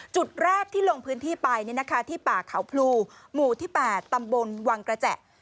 จุดแรกที่ลงพื้นที่ไปที่ป่าเขาพลูหมู่ที่๘ตำบลวังกระแจ